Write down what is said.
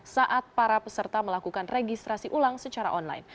saat para peserta melakukan registrasi ulang secara online